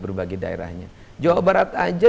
berbagai daerahnya jawa barat aja